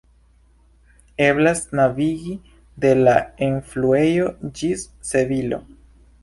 Eblas navigi de la elfluejo ĝis Sevilo.